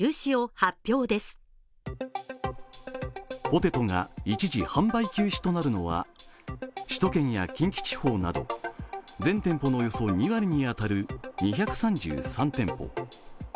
ポテトが一時販売休止となるのは首都圏や近畿地方など全店舗のおよそ２割に当たる２３３店舗。